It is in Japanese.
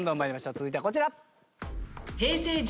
続いてはこちら。